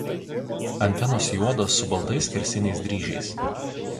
Antenos juodos su baltais skersiniais dryžiais.